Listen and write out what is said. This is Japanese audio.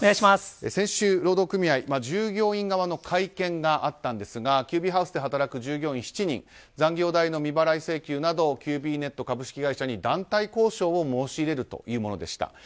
先週、労働組合、従業員側の会見があったんですがＱＢＨＯＵＳＥで働く従業員７人残業代の未払い請求などキュービーネット株式会社に団体交渉を申し入れるというものでした。